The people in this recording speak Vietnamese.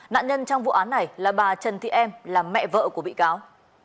nạn nhân trong vụ án này là bà trần thị em là mẹ vợ của bị cáo